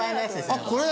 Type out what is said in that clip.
あっこれ？